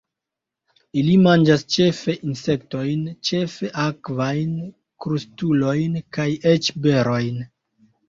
Ili manĝas ĉefe insektojn, ĉefe akvajn, krustulojn kaj eĉ berojn.